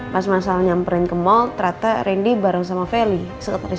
pas masal nyamperin kemol trata rindy bareng sama feli sekitar semasa